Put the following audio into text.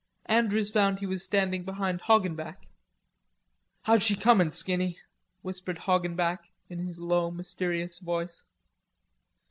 Andrews found he was standing behind Hoggenback. "How's she comin', Skinny?" whispered Hoggenback, in his low mysterious voice.